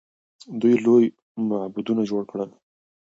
دوی لوی معبدونه جوړ کړل.